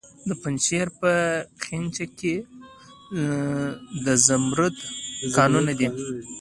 د پنجشیر په خینج کې د زمرد کانونه دي.